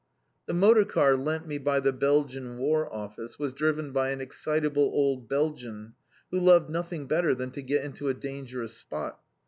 The motor car lent me by the Belgian War Office, was driven by an excitable old Belgian, who loved nothing better than to get into a dangerous spot.